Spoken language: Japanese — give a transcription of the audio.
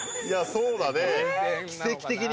そうだね